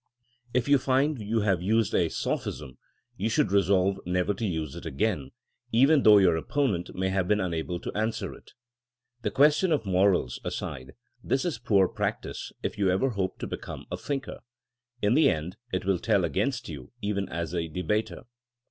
If you find 132 THINEINa AS A 8CIEN0E you have used a sophism you should resolve never to use it again, even though your oppo nent may have been unable to answer it. The question of morals aside, this is poor practice if you ever hope to become a thinker. In the end, it will tell against you even as a debater.